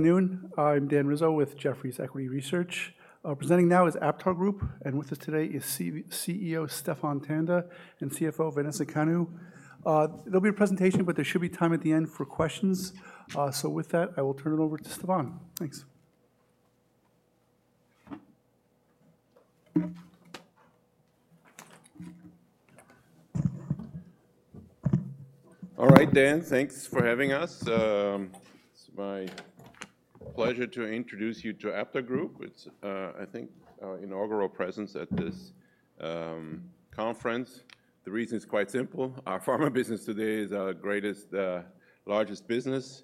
Good afternoon. I'm Dan Rizzo with Jefferies Equity Research. Presenting now is AptarGroup, and with us today is CEO Stephan Tanda and CFO Vanessa Kanu. There'll be a presentation, but there should be time at the end for questions. With that, I will turn it over to Stephan. Thanks. All right, Dan, thanks for having us. It's my pleasure to introduce you to AptarGroup. It's, I think, our inaugural presence at this conference. The reason is quite simple. Our pharma business today is our greatest, largest business,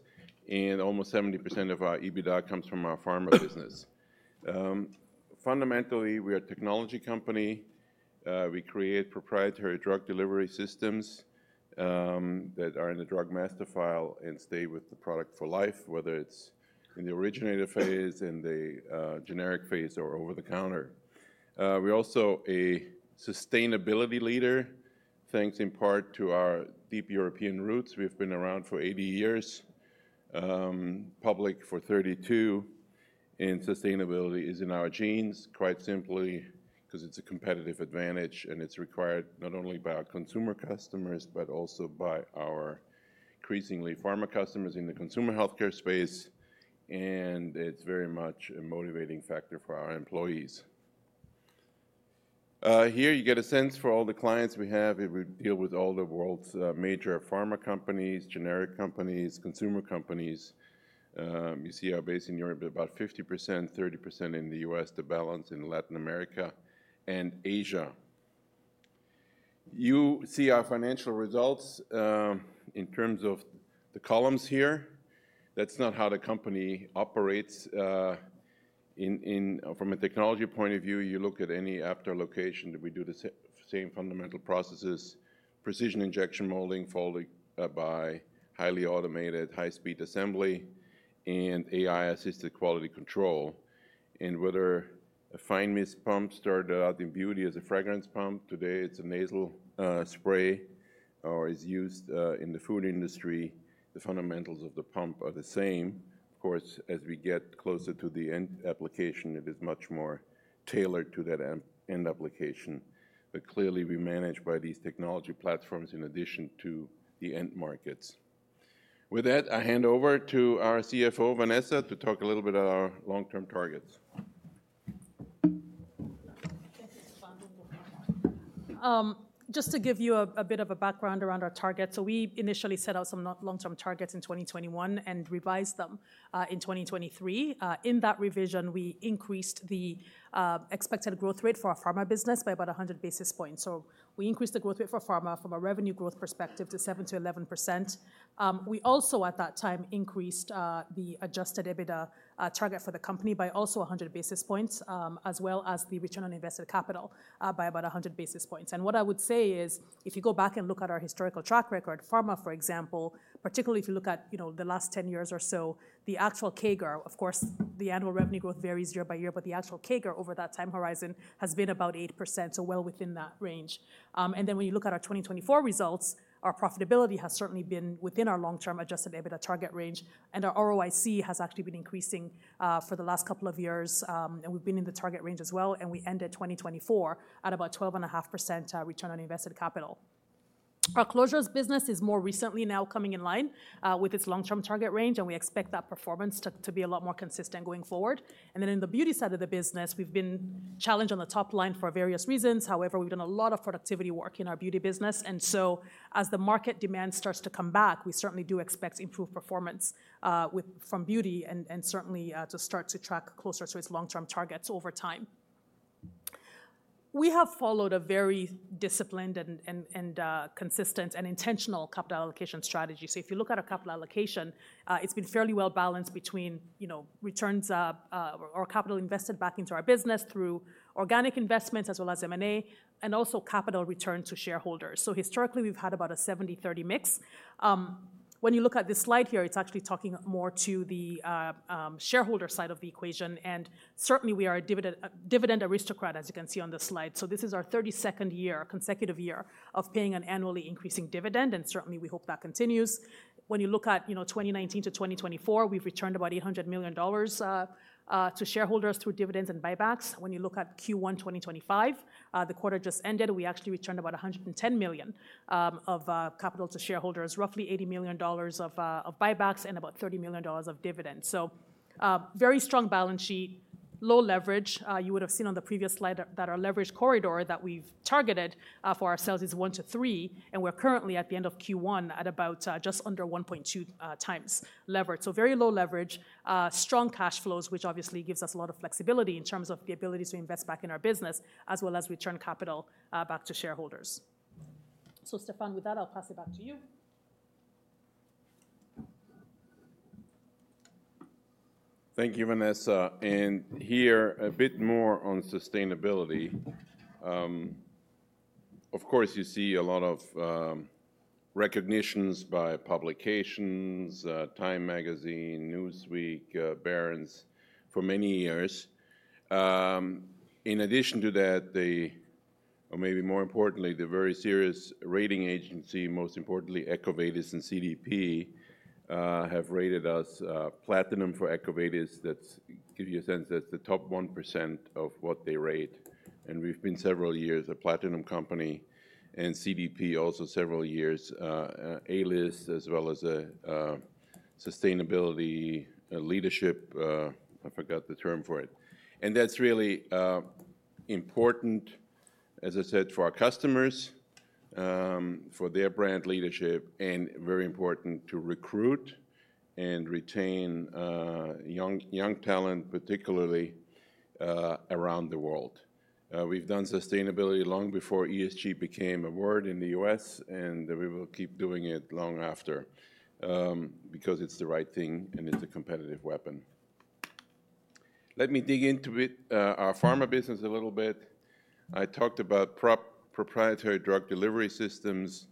and almost 70% of our EBITDA comes from our pharma business. Fundamentally, we are a technology company. We create proprietary drug delivery systems that are in the drug master file and stay with the product for life, whether it's in the originator phase, in the generic phase, or over the counter. We're also a sustainability leader, thanks in part to our deep European roots. We've been around for 80 years, public for 32, and sustainability is in our genes, quite simply because it's a competitive advantage, and it's required not only by our consumer customers, but also by our increasingly pharma customers in the consumer healthcare space. It is very much a motivating factor for our employees. Here you get a sense for all the clients we have if we deal with all the world's major pharma companies, generic companies, consumer companies. You see our base in Europe at about 50%, 30% in the U.S., the balance in Latin America and Asia. You see our financial results in terms of the columns here. That is not how the company operates. From a technology point of view, you look at any Aptar location, we do the same fundamental processes: precision injection molding, followed by highly automated, high-speed assembly, and AI-assisted quality control. Whether a fine mist pump started out in beauty as a fragrance pump, today it is a nasal spray or is used in the food industry, the fundamentals of the pump are the same. Of course, as we get closer to the end application, it is much more tailored to that end application. Clearly, we manage by these technology platforms in addition to the end markets. With that, I hand over to our CFO, Vanessa, to talk a little bit about our long-term targets. Just to give you a bit of a background around our targets, we initially set out some long-term targets in 2021 and revised them in 2023. In that revision, we increased the expected growth rate for our pharma business by about 100 basis points. We increased the growth rate for pharma from a revenue growth perspective to 7%-11%. We also, at that time, increased the Adjusted EBITDA target for the company by also 100 basis points, as well as the return on invested capital by about 100 basis points. What I would say is, if you go back and look at our historical track record, pharma, for example, particularly if you look at the last 10 years or so, the actual CAGR, of course, the annual revenue growth varies year by year, but the actual CAGR over that time horizon has been about 8%, so well within that range. When you look at our 2024 results, our profitability has certainly been within our long-term Adjusted EBITDA target range, and our ROIC has actually been increasing for the last couple of years. We have been in the target range as well, and we ended 2024 at about 12.5% return on invested capital. Our closures business is more recently now coming in line with its long-term target range, and we expect that performance to be a lot more consistent going forward. In the beauty side of the business, we've been challenged on the top line for various reasons. However, we've done a lot of productivity work in our beauty business. As the market demand starts to come back, we certainly do expect improved performance from beauty and certainly to start to track closer to its long-term targets over time. We have followed a very disciplined and consistent and intentional capital allocation strategy. If you look at our capital allocation, it's been fairly well balanced between returns or capital invested back into our business through organic investments as well as M&A and also capital return to shareholders. Historically, we've had about a 70-30 mix. When you look at this slide here, it's actually talking more to the shareholder side of the equation. We are a dividend aristocrat, as you can see on the slide. This is our 32nd consecutive year of paying an annually increasing dividend, and certainly we hope that continues. When you look at 2019-2024, we've returned about $800 million to shareholders through dividends and buybacks. When you look at Q1 2025, the quarter just ended, we actually returned about $110 million of capital to shareholders, roughly $80 million of buybacks and about $30 million of dividends. Very strong balance sheet, low leverage. You would have seen on the previous slide that our leverage corridor that we've targeted for ourselves is 1x-3x, and we're currently at the end of Q1 at just under 1.2x leverage. Very low leverage, strong cash flows, which obviously gives us a lot of flexibility in terms of the ability to invest back in our business as well as return capital back to shareholders. Stephan, with that, I'll pass it back to you. Thank you, Vanessa. Here a bit more on sustainability. Of course, you see a lot of recognitions by publications, Time Magazine, Newsweek, Barron's for many years. In addition to that, or maybe more importantly, the very serious rating agency, most importantly, EcoVadis and CDP have rated us platinum for EcoVadis. That gives you a sense that's the top 1% of what they rate. And we've been several years a platinum company and CDP also several years, A-list as well as a sustainability leadership. I forgot the term for it. That's really important, as I said, for our customers, for their brand leadership, and very important to recruit and retain young talent, particularly around the world. We've done sustainability long before ESG became a word in the U.S., and we will keep doing it long after because it's the right thing and it's a competitive weapon. Let me dig into our pharma business a little bit. I talked about proprietary drug delivery systems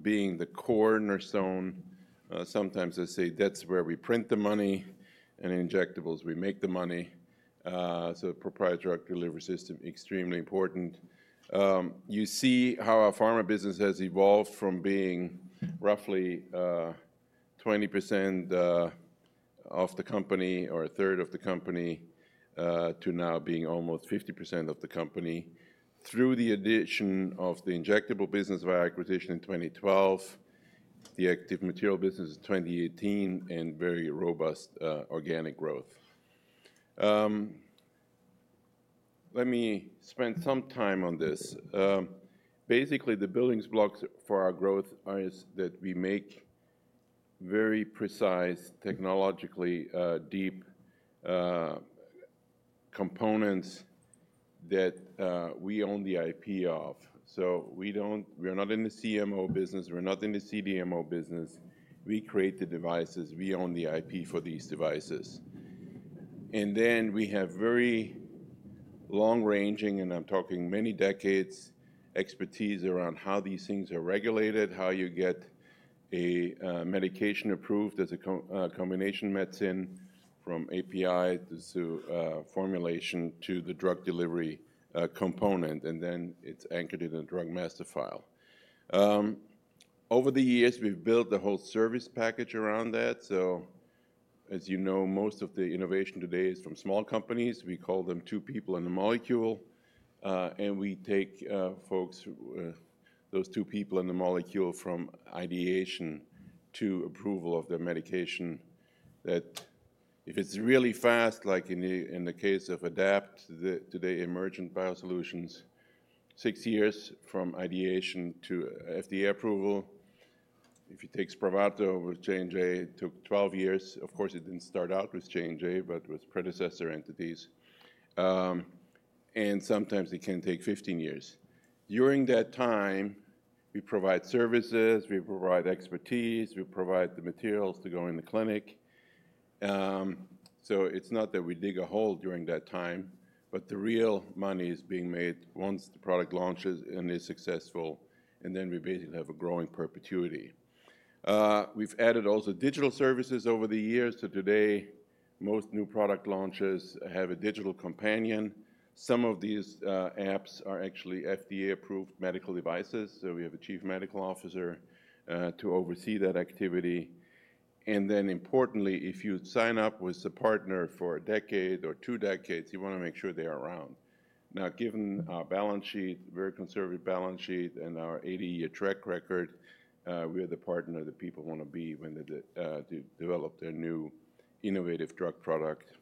being the cornerstone. Sometimes I say that's where we print the money and injectables we make the money. So proprietary drug delivery system, extremely important. You see how our pharma business has evolved from being roughly 20% of the company or a third of the company to now being almost 50% of the company through the addition of the injectable business via acquisition in 2012, the active material business in 2018, and very robust organic growth. Let me spend some time on this. Basically, the building blocks for our growth are that we make very precise, technologically deep components that we own the IP of. So we're not in the CMO business. We're not in the CDMO business. We create the devices. We own the IP for these devices. We have very long-ranging, and I'm talking many decades, expertise around how these things are regulated, how you get a medication approved as a combination medicine from API to formulation to the drug delivery component, and then it's anchored in the drug master file. Over the years, we've built the whole service package around that. As you know, most of the innovation today is from small companies. We call them two people in the molecule, and we take folks, those two people in the molecule from ideation to approval of the medication that if it's really fast, like in the case of Adapt today, Emergent Biosolutions, six years from ideation to FDA approval. If it takes Spravato with J&J, it took 12 years. Of course, it didn't start out with J&J, but with predecessor entities. Sometimes it can take 15 years. During that time, we provide services, we provide expertise, we provide the materials to go in the clinic. It is not that we dig a hole during that time, but the real money is being made once the product launches and is successful, and then we basically have a growing perpetuity. We have added also digital services over the years. Today, most new product launches have a digital companion. Some of these apps are actually FDA-approved medical devices. We have a Chief Medical Officer to oversee that activity. Importantly, if you sign up with a partner for a decade or two decades, you want to make sure they are around. Now, given our balance sheet, very conservative balance sheet and our 80-year track record, we are the partner that people want to be when they develop their new innovative drug product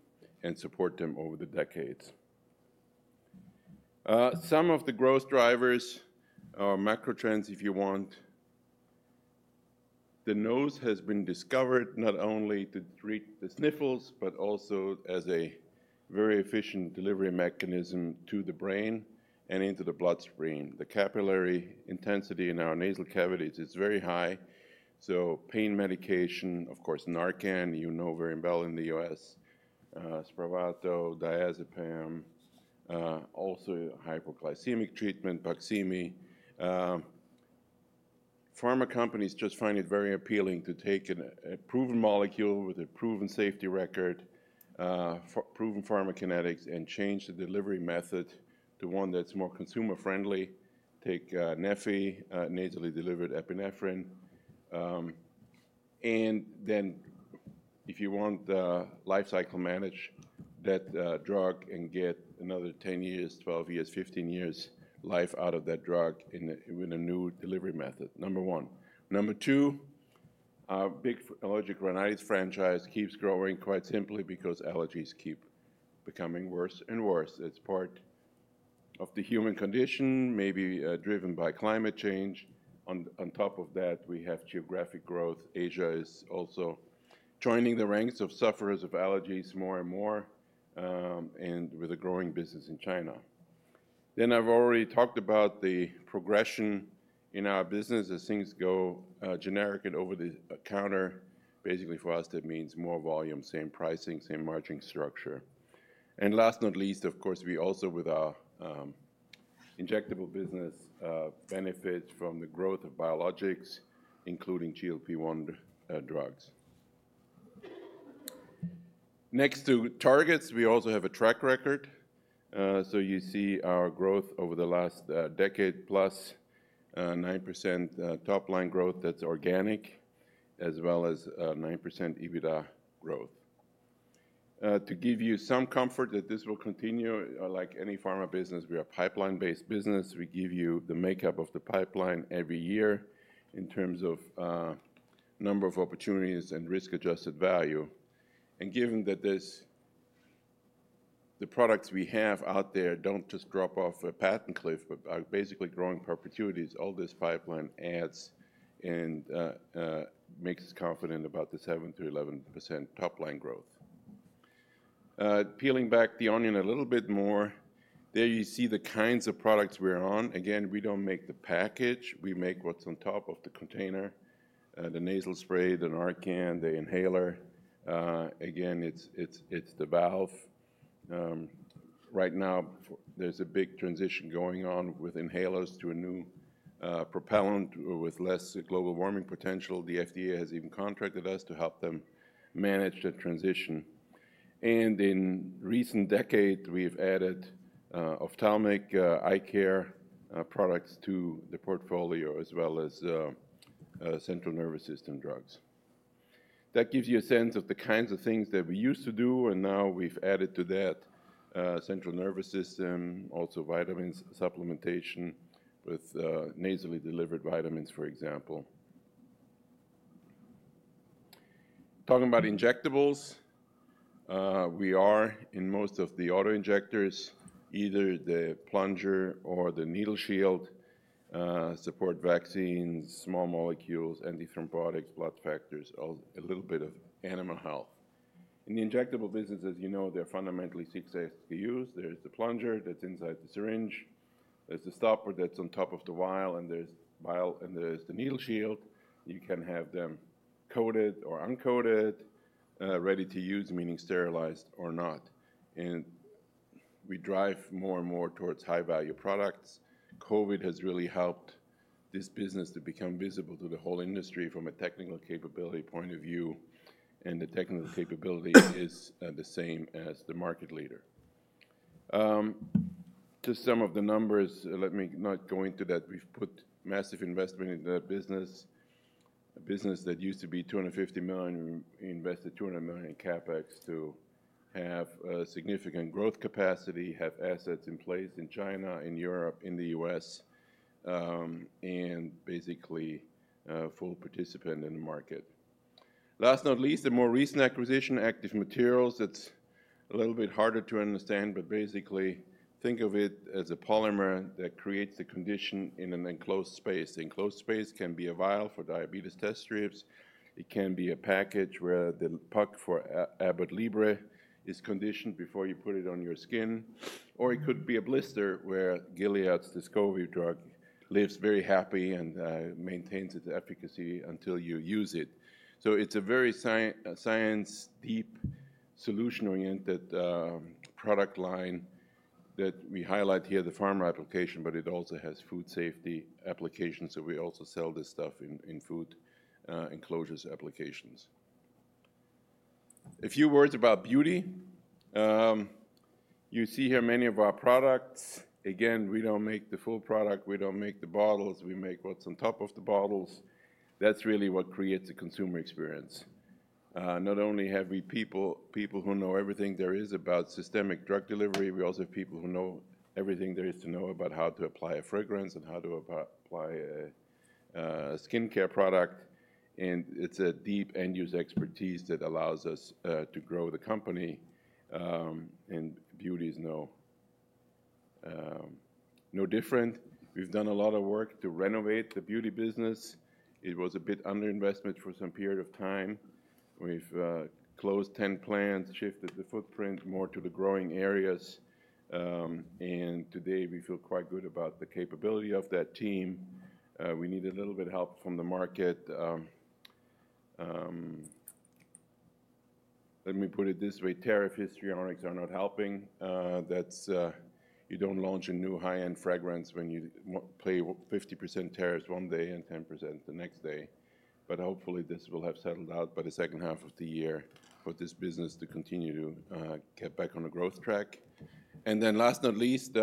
and support them over the decades. Some of the growth drivers are macro trends, if you want. The nose has been discovered not only to treat the sniffles, but also as a very efficient delivery mechanism to the brain and into the bloodstream. The capillary intensity in our nasal cavities is very high. So pain medication, of course, Narcan, you know very well in the U.S., Spravato, diazepam, also hypoglycemic treatment, Baqsimi. Pharma companies just find it very appealing to take an approved molecule with a proven safety record, proven pharmacokinetics, and change the delivery method to one that's more consumer-friendly. Take neffy, nasally delivered epinephrine. And then if you want lifecycle manage that drug and get another 10 years, 12 years, 15 years life out of that drug with a new delivery method, number one. Number two, our big allergic rhinitis franchise keeps growing quite simply because allergies keep becoming worse and worse. It's part of the human condition, maybe driven by climate change. On top of that, we have geographic growth. Asia is also joining the ranks of sufferers of allergies more and more and with a growing business in China. I have already talked about the progression in our business as things go generic and over the counter. Basically for us, that means more volume, same pricing, same margin structure. Last but not least, of course, we also with our injectable business benefit from the growth of biologics, including GLP-1 drugs. Next to targets, we also have a track record. You see our growth over the last decade, plus 9% top line growth that's organic, as well as 9% EBITDA growth. To give you some comfort that this will continue, like any pharma business, we are a pipeline-based business. We give you the makeup of the pipeline every year in terms of number of opportunities and risk-adjusted value. Given that the products we have out there do not just drop off a patent cliff, but are basically growing perpetuities, all this pipeline adds and makes us confident about the 7%-11% top line growth. Peeling back the onion a little bit more, there you see the kinds of products we are on. Again, we do not make the package. We make what is on top of the container, the nasal spray, the Narcan, the inhaler. Again, it is the valve. Right now, there is a big transition going on with inhalers to a new propellant with less global warming potential. The FDA has even contracted us to help them manage that transition. In recent decades, we have added ophthalmic eye care products to the portfolio as well as central nervous system drugs. That gives you a sense of the kinds of things that we used to do, and now we've added to that central nervous system, also vitamin supplementation with nasally delivered vitamins, for example. Talking about injectables, we are in most of the auto injectors, either the plunger or the needle shield, support vaccines, small molecules, anti-thrombotics, blood factors, a little bit of animal health. In the injectable business, as you know, there are fundamentally six SKUs. There's the plunger that's inside the syringe. There's the stopper that's on top of the vial, and there's the needle shield. You can have them coated or uncoated, ready to use, meaning sterilized or not. We drive more and more towards high-value products. COVID has really helped this business to become visible to the whole industry from a technical capability point of view, and the technical capability is the same as the market leader. To some of the numbers, let me not go into that. We've put massive investment into that business, a business that used to be $250 million. We invested $200 million in CapEx to have significant growth capacity, have assets in place in China, in Europe, in the U.S., and basically full participant in the market. Last but not least, a more recent acquisition, active materials. It's a little bit harder to understand, but basically think of it as a polymer that creates a condition in an enclosed space. Enclosed space can be a vial for diabetes test strips. It can be a package where the puck for Abbott Libre is conditioned before you put it on your skin, or it could be a blister where Gilead's Descovy drug lives very happy and maintains its efficacy until you use it. It is a very science-deep solution-oriented product line that we highlight here, the pharma application, but it also has food safety applications. We also sell this stuff in food enclosures applications. A few words about beauty. You see here many of our products. Again, we do not make the full product. We do not make the bottles. We make what is on top of the bottles. That is really what creates a consumer experience. Not only have we people who know everything there is about systemic drug delivery, we also have people who know everything there is to know about how to apply a fragrance and how to apply a skincare product. It is a deep end-use expertise that allows us to grow the company. Beauty is no different. We have done a lot of work to renovate the beauty business. It was a bit under-investment for some period of time. We have closed 10 plants, shifted the footprint more to the growing areas. Today, we feel quite good about the capability of that team. We need a little bit of help from the market. Let me put it this way. Tariff history on it is not helping. You do not launch a new high-end fragrance when you pay 50% tariffs one day and 10% the next day. Hopefully, this will have settled out by the second half of the year for this business to continue to get back on a growth track. Last but not least,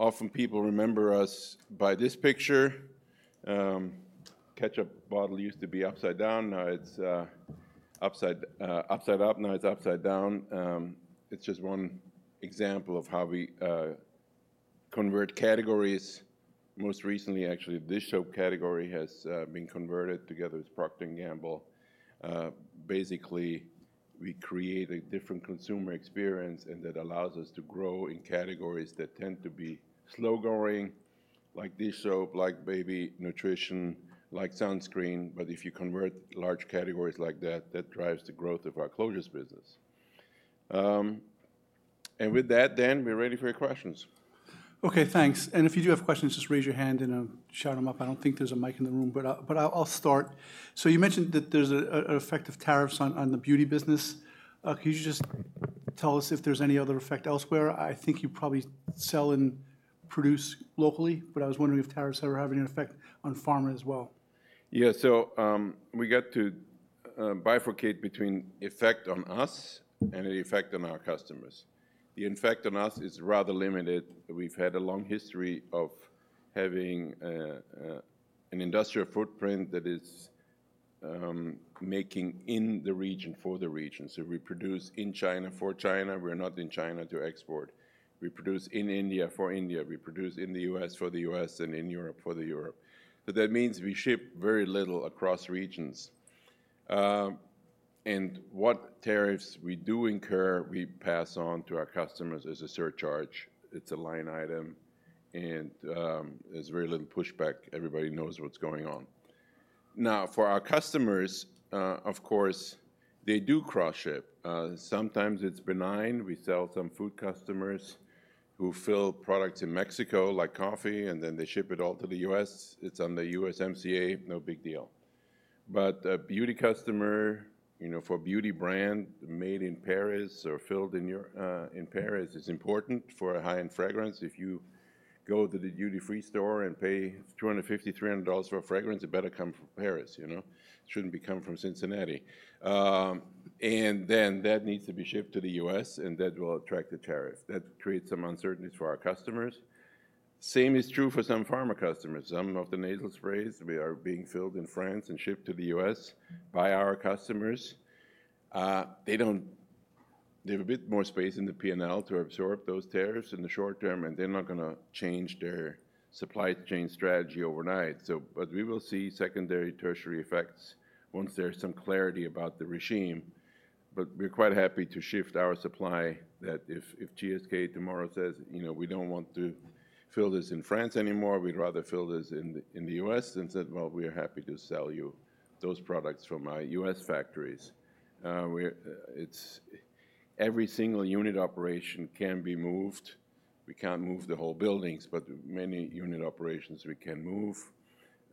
often people remember us by this picture. Ketchup bottle used to be upside down. Now it's upside up. Now it's upside down. It's just one example of how we convert categories. Most recently, actually, the dish soap category has been converted together with Procter & Gamble. Basically, we create a different consumer experience and that allows us to grow in categories that tend to be slow-growing, like dish soap, like baby nutrition, like sunscreen. If you convert large categories like that, that drives the growth of our closures business. With that, Dan, we're ready for your questions. Okay, thanks. If you do have questions, just raise your hand and I'll shout them up. I don't think there's a mic in the room, but I'll start. You mentioned that there's an effect of tariffs on the beauty business. Could you just tell us if there's any other effect elsewhere? I think you probably sell and produce locally, but I was wondering if tariffs ever have any effect on pharma as well. Yeah, so we got to bifurcate between effect on us and an effect on our customers. The effect on us is rather limited. We've had a long history of having an industrial footprint that is making in the region for the region. We produce in China for China. We're not in China to export. We produce in India for India. We produce in the U.S. for the U.S. and in Europe for Europe. That means we ship very little across regions. What tariffs we do incur, we pass on to our customers as a surcharge. It's a line item, and there's very little pushback. Everybody knows what's going on. Now, for our customers, of course, they do cross-ship. Sometimes it's benign. We sell some food customers who fill products in Mexico, like coffee, and then they ship it all to the U.S. It's on the USMCA, no big deal. A beauty customer for a beauty brand made in Paris or filled in Paris is important for a high-end fragrance. If you go to the duty-free store and pay $250, $300 for a fragrance, it better come from Paris. It shouldn't come from Cincinnati. That needs to be shipped to the U.S., and that will attract a tariff. That creates some uncertainty for our customers. The same is true for some pharma customers. Some of the nasal sprays are being filled in France and shipped to the U.S. by our customers. They have a bit more space in the P&L to absorb those tariffs in the short term, and they're not going to change their supply chain strategy overnight. We will see secondary, tertiary effects once there's some clarity about the regime. We are quite happy to shift our supply that if GSK tomorrow says, "We do not want to fill this in France anymore. We would rather fill this in the U.S.," then said, "We are happy to sell you those products from our U.S. factories." Every single unit operation can be moved. We cannot move the whole buildings, but many unit operations we can move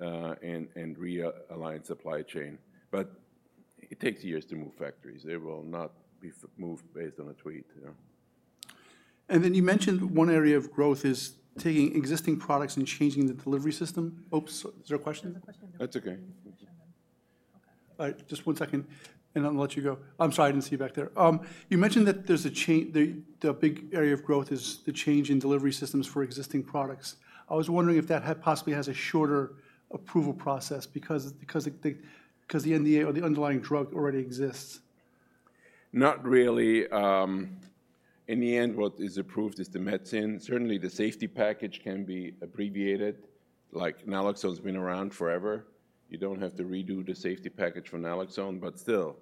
and realign supply chain. It takes years to move factories. They will not be moved based on a tweet. You mentioned one area of growth is taking existing products and changing the delivery system. Oops, is there a question? That's okay. All right, just one second, and I'll let you go. I'm sorry, I didn't see you back there. You mentioned that there's a big area of growth is the change in delivery systems for existing products. I was wondering if that possibly has a shorter approval process because the NDA or the underlying drug already exists. Not really. In the end, what is approved is the medicine. Certainly, the safety package can be abbreviated. Naloxone has been around forever. You don't have to redo the safety package for Naloxone, but still,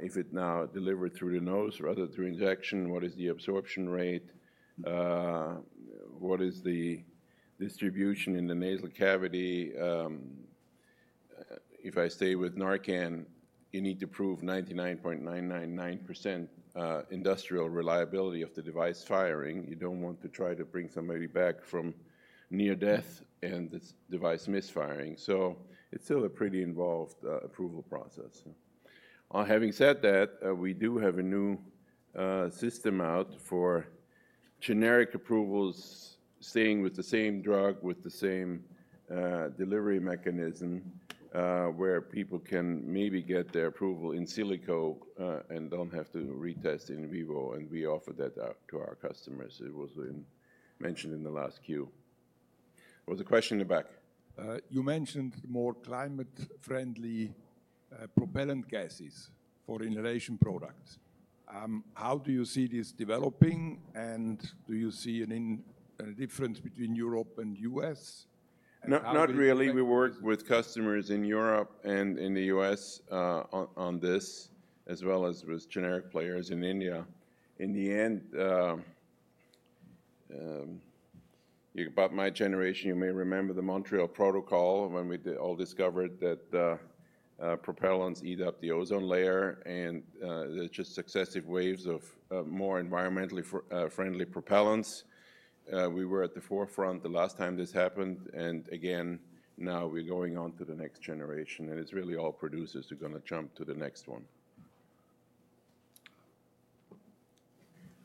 if it's now delivered through the nose rather than through injection, what is the absorption rate? What is the distribution in the nasal cavity? If I stay with Narcan, you need to prove 99.999% industrial reliability of the device firing. You don't want to try to bring somebody back from near death and the device misfiring. It is still a pretty involved approval process. Having said that, we do have a new system out for generic approvals, staying with the same drug, with the same delivery mechanism where people can maybe get their approval in silico and don't have to retest in vivo. We offer that out to our customers. It was mentioned in the last queue. Was the question in the back? You mentioned more climate-friendly propellant gases for inhalation products. How do you see this developing, and do you see a difference between Europe and the U.S.? Not really. We work with customers in Europe and in the U.S. on this, as well as with generic players in India. In the end, about my generation, you may remember the Montreal Protocol when we all discovered that propellants eat up the ozone layer, and there are just successive waves of more environmentally friendly propellants. We were at the forefront the last time this happened. Now we are going on to the next generation. It is really all producers who are going to jump to the next one.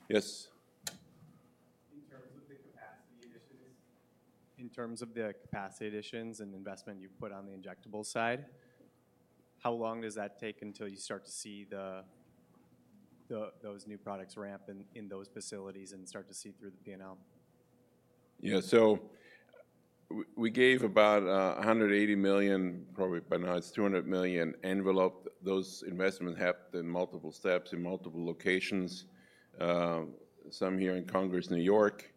Yes? In terms of the capacity additions and investment you've put on the injectable side, how long does that take until you start to see those new products ramp in those facilities and start to see through the P&L? Yeah, so we gave about $180 million, probably, but now it's $200 million enveloped. Those investments happened in multiple steps in multiple locations, some here in Congers, New York,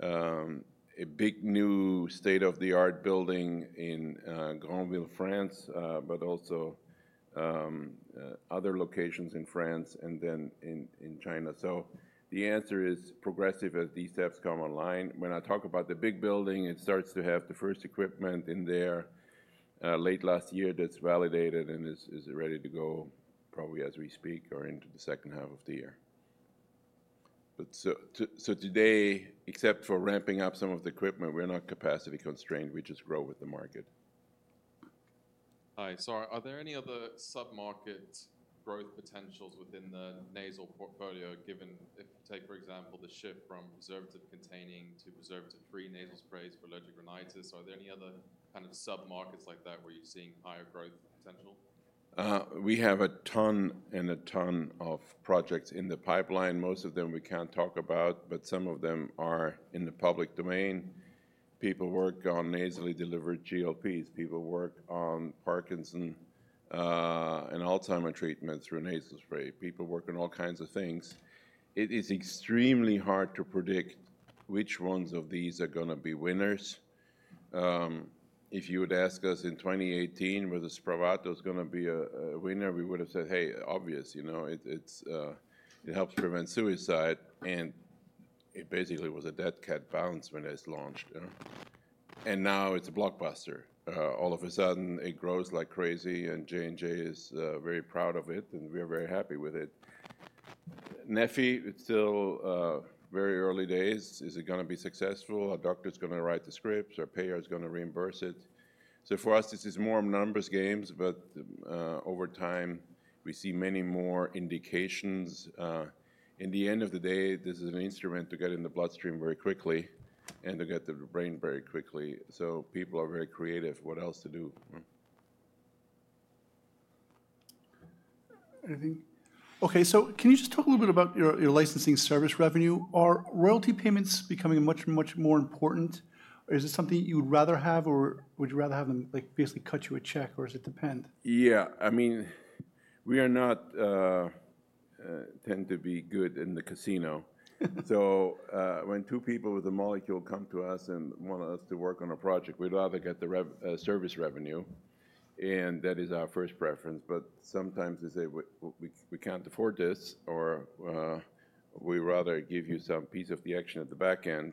a big new state-of-the-art building in Granville, France, but also other locations in France and then in China. The answer is progressive as these steps come online. When I talk about the big building, it starts to have the first equipment in there late last year that's validated and is ready to go probably as we speak or into the second half of the year. Today, except for ramping up some of the equipment, we're not capacity constrained. We just grow with the market. Hi, sorry. Are there any other sub-market growth potentials within the nasal portfolio given if, take for example, the shift from preservative-containing to preservative-free nasal sprays for allergic rhinitis? Are there any other kind of sub-markets like that where you're seeing higher growth potential? We have a ton and a ton of projects in the pipeline. Most of them we can't talk about, but some of them are in the public domain. People work on nasally delivered GLPs. People work on Parkinson and Alzheimer treatments through nasal spray. People work on all kinds of things. It is extremely hard to predict which ones of these are going to be winners. If you would ask us in 2018, whether Spravato is going to be a winner, we would have said, "Hey, obvious. It helps prevent suicide." It basically was a dead cat bounce when it was launched. Now it's a blockbuster. All of a sudden, it grows like crazy, and J&J is very proud of it, and we are very happy with it. Neffy, it's still very early days. Is it going to be successful? A doctor is going to write the scripts, or a payer is going to reimburse it? For us, this is more numbers games, but over time, we see many more indications. In the end of the day, this is an instrument to get in the bloodstream very quickly and to get to the brain very quickly. People are very creative. What else to do? Okay, so can you just talk a little bit about your licensing service revenue? Are royalty payments becoming much, much more important? Is it something you would rather have, or would you rather have them basically cut you a check, or does it depend? Yeah, I mean, we tend to be good in the casino. When two people with a molecule come to us and want us to work on a project, we'd rather get the service revenue. That is our first preference. Sometimes they say, "We can't afford this," or, "We'd rather give you some piece of the action at the back end."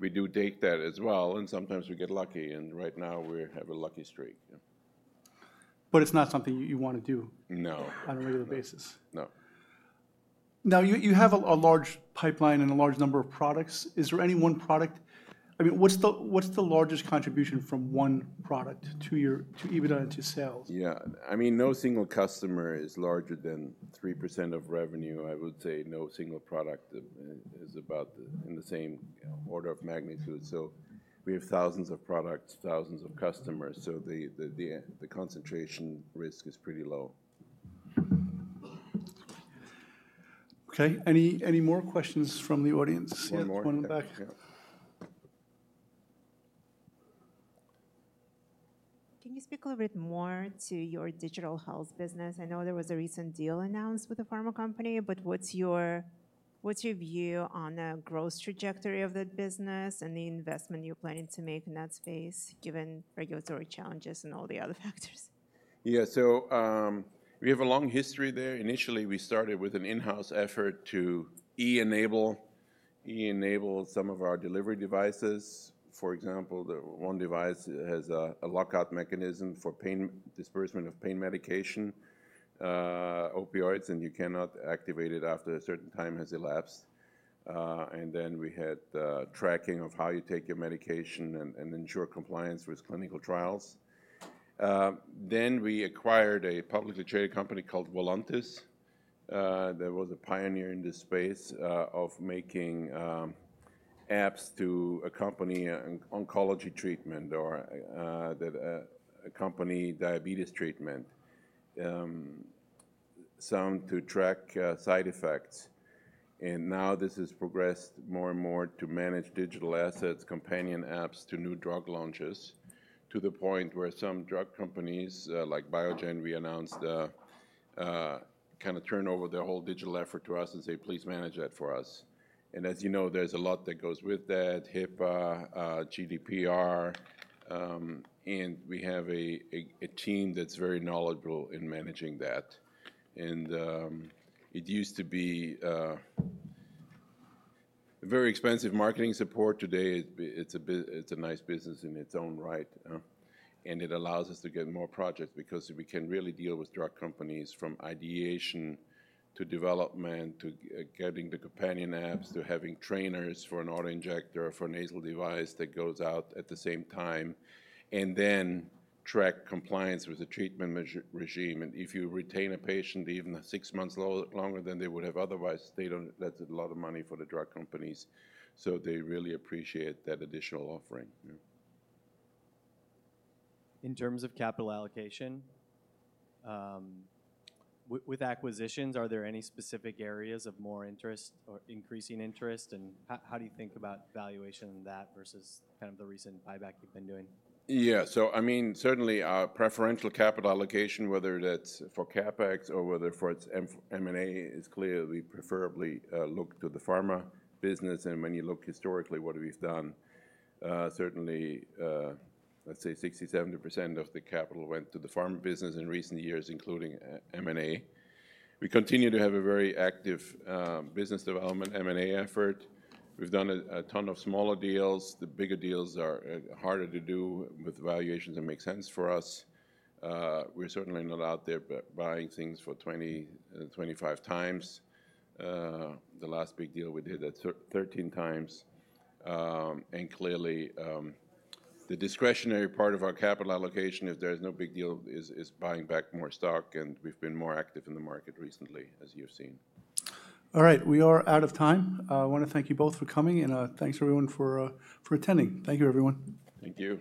We do date that as well, and sometimes we get lucky. Right now, we have a lucky streak. It's not something you want to do on a regular basis? No. Now, you have a large pipeline and a large number of products. Is there any one product? I mean, what's the largest contribution from one product to even onto sales? Yeah, I mean, no single customer is larger than 3% of revenue. I would say no single product is about in the same order of magnitude. We have thousands of products, thousands of customers. The concentration risk is pretty low. Okay, any more questions from the audience? One more. One back. Can you speak a little bit more to your digital health business? I know there was a recent deal announced with a pharma company, but what's your view on the growth trajectory of that business and the investment you're planning to make in that space given regulatory challenges and all the other factors? Yeah, so we have a long history there. Initially, we started with an in-house effort to enable some of our delivery devices. For example, one device has a lockout mechanism for dispersement of pain medication, opioids, and you cannot activate it after a certain time has elapsed. We had tracking of how you take your medication and ensure compliance with clinical trials. We acquired a publicly traded company called Voluntis. There was a pioneer in this space of making apps to accompany oncology treatment or accompany diabetes treatment, sound to track side effects. This has progressed more and more to manage digital assets, companion apps to new drug launches, to the point where some drug companies like Biogen, we announced, kind of turn over their whole digital effort to us and say, "Please manage that for us." As you know, there's a lot that goes with that: HIPAA, GDPR. We have a team that's very knowledgeable in managing that. It used to be very expensive marketing support. Today, it's a nice business in its own right. It allows us to get more projects because we can really deal with drug companies from ideation to development to getting the companion apps to having trainers for an auto injector for a nasal device that goes out at the same time and then track compliance with the treatment regime. If you retain a patient even six months longer than they would have otherwise, that's a lot of money for the drug companies. They really appreciate that additional offering. In terms of capital allocation, with acquisitions, are there any specific areas of more interest or increasing interest? How do you think about valuation of that versus kind of the recent buyback you have been doing? Yeah, so I mean, certainly our preferential capital allocation, whether that's for CapEx or whether for its M&A, is clearly preferably looked to the pharma business. And when you look historically, what we've done, certainly, let's say 60%-70% of the capital went to the pharma business in recent years, including M&A. We continue to have a very active business development M&A effort. We've done a ton of smaller deals. The bigger deals are harder to do with valuations that make sense for us. We're certainly not out there buying things for 20x-25x. The last big deal we did at 13x. Clearly, the discretionary part of our capital allocation, if there's no big deal, is buying back more stock. We've been more active in the market recently, as you've seen. All right, we are out of time. I want to thank you both for coming, and thanks everyone for attending. Thank you, everyone. Thank you.